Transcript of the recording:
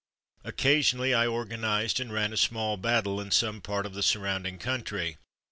. Occasionally I organized and ran a small "battle'' in some part of the surrounding country.